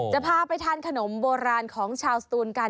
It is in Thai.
จะพาไปทานขนมโบราณของชาวสตูนกัน